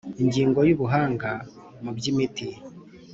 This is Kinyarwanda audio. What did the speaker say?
Ingingo Ya Ubuhanga Mu By Imiti